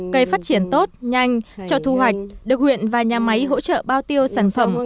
cây phát triển tốt nhanh cho thu hoạch được huyện và nhà máy hỗ trợ bao tiêu sản phẩm